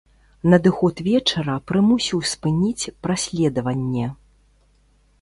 Надыход вечара прымусіў спыніць праследаванне.